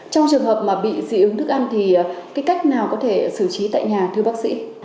trong trường hợp mà bị dị ứng thức ăn thì cái cách nào có thể xử trí tại nhà thưa bác sĩ